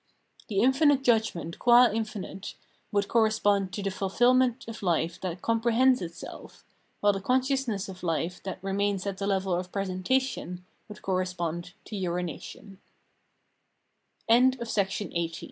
The infinite judgment qua infinite would correspond to the fulfilment of hfe that com prehends itself, while the consciousness of life that remains at the level of presentation would correspond to